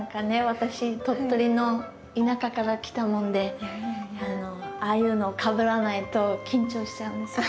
私鳥取の田舎から来たもんでああいうのをかぶらないと緊張しちゃうんですよ。